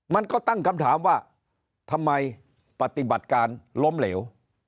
มันก็ตั้งคำถามว่าทำไมปฏิบัติการล้มเหลว